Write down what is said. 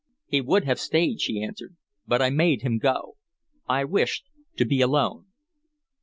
"He would have stayed," she answered, "but I made him go. I wished to be alone."